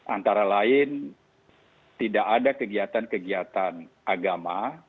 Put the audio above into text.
antara lain tidak ada kegiatan kegiatan agama